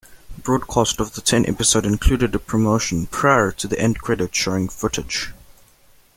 Broadcast of the ten-episode included a promotion prior to the end credits showing footage.